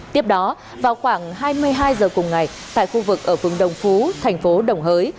tiếp đó vào khoảng hai mươi hai giờ cùng ngày tại khu vực ở phường đồng phú thành phố đồng hới